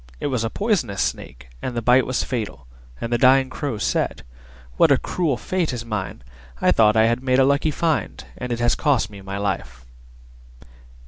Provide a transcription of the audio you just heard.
It was a poisonous Snake, and the bite was fatal, and the dying Crow said, "What a cruel fate is mine! I thought I had made a lucky find, and it has cost me my life!"